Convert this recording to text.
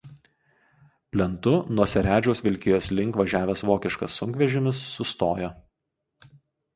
Plentu nuo Seredžiaus Vilkijos link važiavęs vokiškas sunkvežimis sustojo.